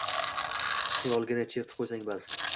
Xiyolgina chertib qoʼysang bas